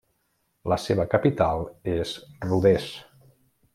La seva capital és Rodés.